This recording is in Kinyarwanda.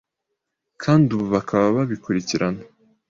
kandi ubu bakaba babikurikirana